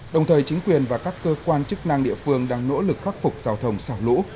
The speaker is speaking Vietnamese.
đồng thời chính quyền và các cơ quan chức năng địa phương đang nỗ lực khắc phục giao thông sau lũ